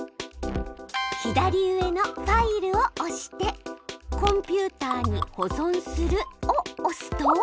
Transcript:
左上の「ファイル」を押して「コンピューターに保存する」を押すと。